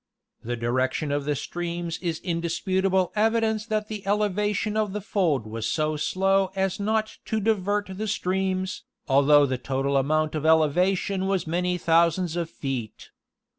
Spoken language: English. The direction of the streams is indisputable evidence that the elevation of the fold was so slow as not to divert the streams, although the total amount of elevation was many thousands of feet.